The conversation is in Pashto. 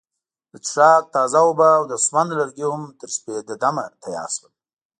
د څښاک تازه اوبه او د سون لرګي هم تر سپیده دمه تیار شول.